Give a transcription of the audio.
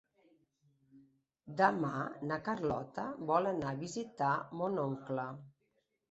Demà na Carlota vol anar a visitar mon oncle.